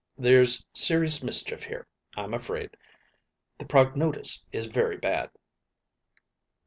'Um! there's serious mischief here, I'm afraid; the prognotice is very bad.'